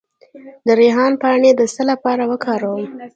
د ریحان پاڼې د څه لپاره وکاروم؟